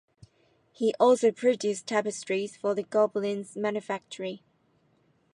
He also produced tapestries for the Gobelins Manufactory.